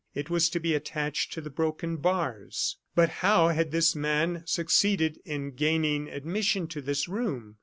It was to be attached to the broken bars. But how had this man succeeded in gaining admission to this room?